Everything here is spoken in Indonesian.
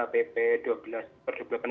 pp dua belas per dua ribu delapan belas